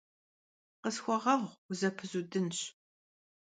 Khısxueğueğu, vuzepızudınş.